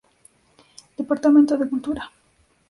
Departament de Cultura.